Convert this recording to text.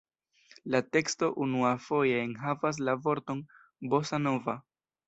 La teksto unuafoje enhavas la vorton „bossa-nova“.